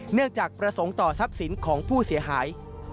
เนื่องจากประสงค์ต่อทัพศิลป์ของผู้เสียหาย